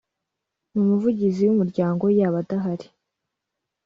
n umuvugizi w umuryango yaba adahari